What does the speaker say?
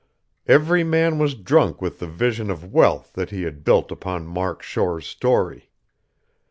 Every man was drunk with the vision of wealth that he had built upon Mark Shore's story.